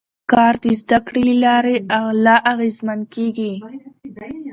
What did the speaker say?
کار د زده کړې له لارې لا اغېزمن کېږي